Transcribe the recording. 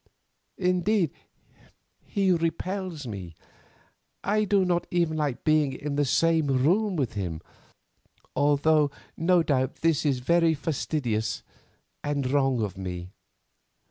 Indeed, he repels me. I do not even like being in the same room with him, although no doubt this is very fastidious and wrong of me.